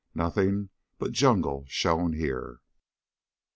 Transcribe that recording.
Nothing but jungle shown here!"